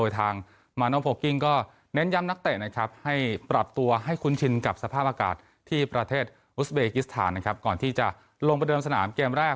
สภาพอากาศที่ประเทศอุสเบกิสถานนะครับก่อนที่จะลงประเดิมสนามเกมแรก